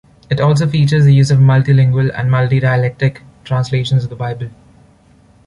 It also features the use of multi-lingual and multi-dialectic translations of the Bible.